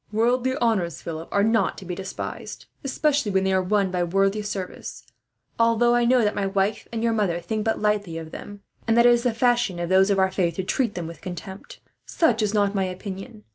Worldly honours, Philip, are not to be despised, especially when they are won by worthy service; although I know that my wife and your mother think but lightly of them, and that it is the fashion of those of our faith to treat them with contempt. Such is not my opinion.